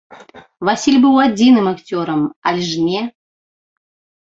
Васіль быў адзіным акцёрам, але ж не!